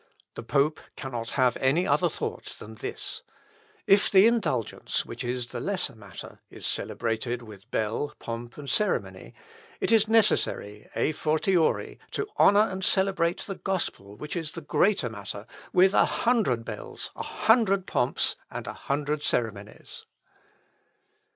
"The pope cannot have any other thought than this: If the indulgence, which is the lesser matter, is celebrated with bell, pomp, and ceremony, it is necessary, à fortiori, to honour and celebrate the gospel, which is the greater matter, with a hundred bells, a hundred pomps, and a hundred ceremonies.